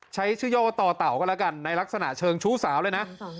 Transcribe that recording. ใช้ชื่อย่อว่าต่อเต่าก็แล้วกันในลักษณะเชิงชู้สาวเลยนะ